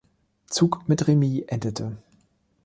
Zug mit Remis endete.